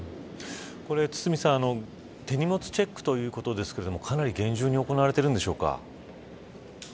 堤さん、手荷物チェックということですけれどもかなり厳重に行われているんでしょうか。